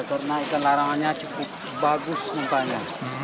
karena ikan larangannya cukup bagus nampaknya